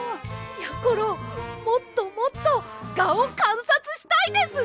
やころもっともっとガをかんさつしたいです！